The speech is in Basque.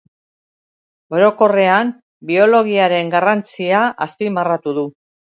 Orokorrean, biologiaren garrantzia azpimarratu du.